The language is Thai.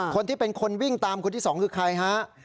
คนที่เป็นคนวิ่งตามคนที่สองคือใครฮะ